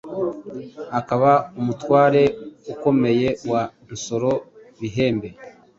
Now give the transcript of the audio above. akaba umutware ukomeye wa Nsoro Bihembe.